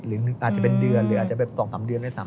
หรืออาจจะเป็นเดือนหรืออาจจะเป็น๒๓เดือนได้ซ้ำ